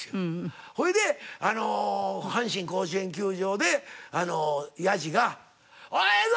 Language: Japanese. ほいで阪神甲子園球場でヤジが「おいええぞ！